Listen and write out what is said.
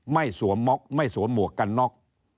สวมม็อกไม่สวมหมวกกันน็อก